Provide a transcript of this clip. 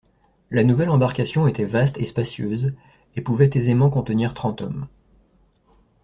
La nouvelle embarcation était vaste et spacieuse, et pouvait aisément contenir trente hommes.